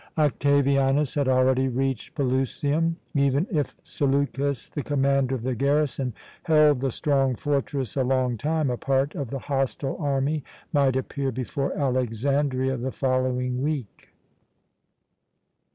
Octavianus had already reached Pelusium; even if Seleukus, the commander of the garrison, held the strong fortress a long time, a part of the hostile army might appear before Alexandria the following week.